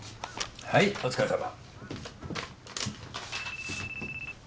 はいお疲れさま。